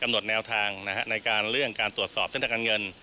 หนดแนวทางในการเรื่องการตรวจสอบเส้นทางการเงิน